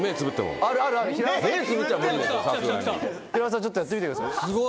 ちょっとやってみてください。